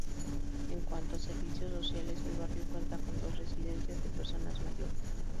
En cuanto a servicios sociales, el barrio cuenta con dos residencias de personas mayores.